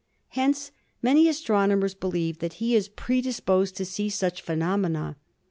Hence many astronomers believe that he is predisposed to see such phenomena.